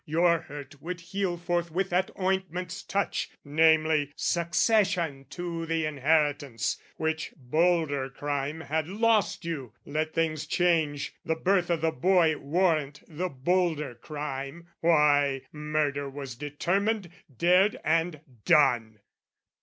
"Your hurt would heal forthwith at ointment's touch "Namely, succession to the inheritance "Which bolder crime had lost you: let things change, "The birth o' the boy warrant the bolder crime, "Why, murder was determined, dared, and done.